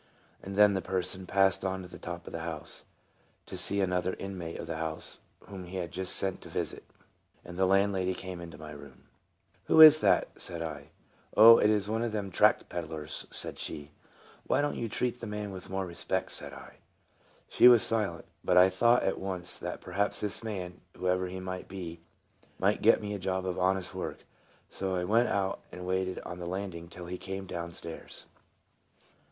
and then the person passed on to the top of the house, to see another inmate of the house, whom he had been sent to visit, and the landlady came into my room. " Who is that ?" said I. "Oh, it's one of them tract pedlars," said she. " Why do n't you treat the man with re spect?" said I. She was silent, but I thought at once that perhaps this man, whoever he might be, might get me a job of honest work; so I went out and waited on the landing till he came t down stairs.